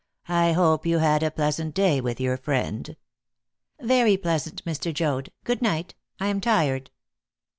"I hope you had a pleasant day with your friend." "Very pleasant, Mr. Joad. Good night; I am tired."